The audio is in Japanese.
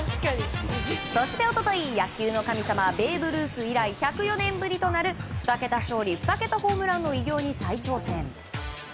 そして、一昨日、野球の神様ベーブ・ルース以来１０４年ぶりとなる２桁勝利２桁ホームランの偉業に再挑戦。